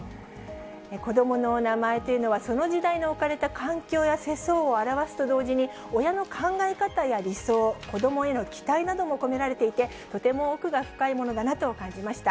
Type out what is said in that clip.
子どもの名前というのは、その時代の置かれた環境や世相を表すと同時に、親の考え方や理想、子どもへの期待なども込められていて、とても奥が深いものだなと感じました。